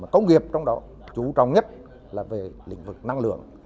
công nghiệp trong đó chú trọng nhất là về lĩnh vực năng lượng